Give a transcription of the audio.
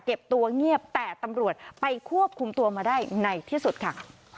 ตัวเงียบแต่ตำรวจไปควบคุมตัวมาได้ในที่สุดค่ะ